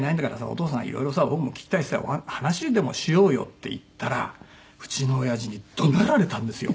お父さんいろいろさ僕も聞きたいしさ話でもしようよ」って言ったらうちのおやじに怒鳴られたんですよ。